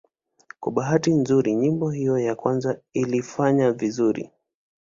Kwa bahati nzuri nyimbo hiyo ya kwanza ilifanya vizuri.